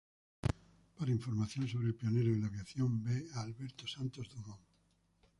Para información sobre el pionero de la aviación, ve a Alberto Santos Dumont.